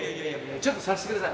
ちょっとさせて下さい。